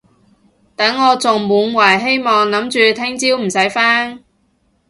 等我仲滿懷希望諗住聽朝唔使返